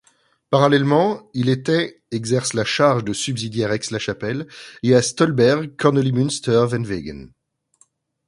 Parallèlement, il était exerce la charge de subsidiaire Aix-la-Chapelle et à Stolberg-Kornelimünster-Venwegen.